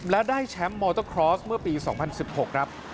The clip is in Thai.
และได้แชมป์มอเตอร์คลอสเมื่อปี๒๐๑๖ครับ